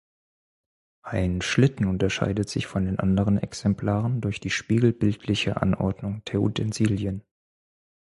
Ein Schlitten unterscheidet sich von den anderen Exemplaren durch die spiegelbildliche Anordnung der Utensilien.